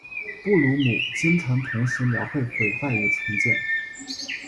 布鲁姆经常同时描绘毁坏与重建。